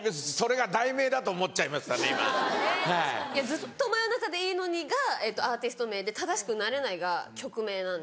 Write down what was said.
ずっと真夜中でいいのに。がアーティスト名で『正しくなれない』が曲名なんです。